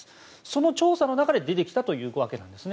その調査の中で出てきたわけです。